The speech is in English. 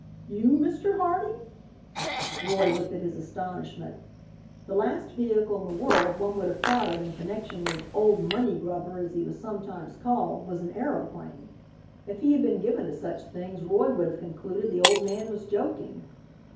"You, Mr. Harding!" Roy looked his astonishment. The last vehicle in the world one would have thought of in connection with "Old Money Grubber," as he was sometimes called, was an aeroplane. If he had been given to such things Roy would have concluded the old man was joking.